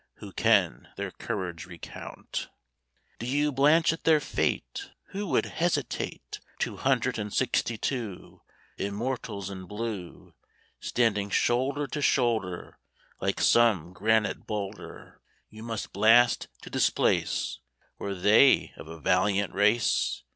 Who can their courage recount? Do you blanch at their fate? (Who would hesitate?) Two hundred and sixty two Immortals in blue, Standing shoulder to shoulder, Like some granite boulder You must blast to displace (Were they of a valiant race?)